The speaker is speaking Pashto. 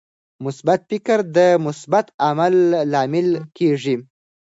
مثبت فکر د مثبت عمل لامل کیږي.